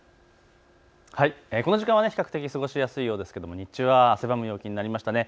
この時間は比較的過ごしやすいようですけど日中は汗ばむ陽気になりましたね。